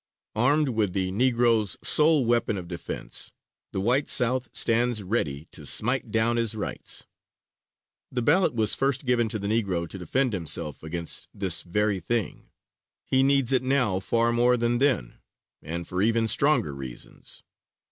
Armed with the Negro's sole weapon of defense, the white South stands ready to smite down his rights. The ballot was first given to the Negro to defend him against this very thing. He needs it now far more than then, and for even stronger reasons.